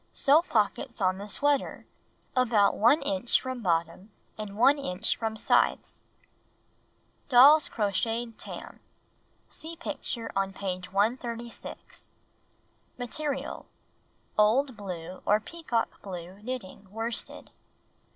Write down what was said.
Sew pockets on the sweater, about 1 inch from bottom and 1 inch from sides. Doll's Crocheted Tam (See picture on page 136) Material: Old blue or peacock blue knitting worsted.